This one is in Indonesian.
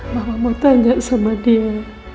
bahwa mau tanya sama dia